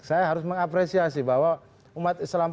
saya harus mengapresiasi bahwa umat islam